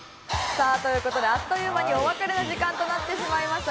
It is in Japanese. さあという事であっという間にお別れの時間となってしまいました。